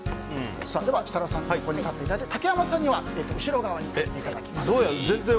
設楽さんは横に立っていただいて竹山さんには後ろ側に立っていただきます。